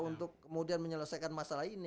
untuk kemudian menyelesaikan masalah ini